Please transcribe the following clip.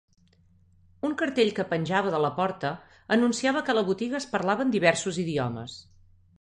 Un cartell que penjava de la porta anunciava que a la botiga es parlaven diversos idiomes.